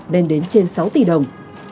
nên đến trên sáu tỷ đồng